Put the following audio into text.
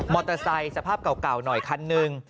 มอเตอร์ไซค์สภาพเก่าหน่อยคันหนึ่ง